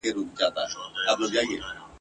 اور د کوه طور سمه، حق سمه، منصور سمه !.